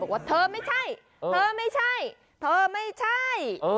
บอกว่าเธอไม่ใช่